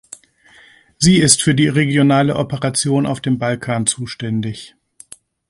Sie ist für die regionale Operation auf dem Balkan zuständig.